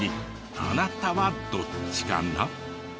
あなたはどっちかな？